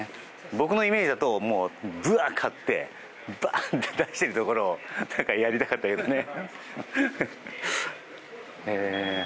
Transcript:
僕のイメージだとぶわーって買ってバーンって出しているところやりたかったけどね。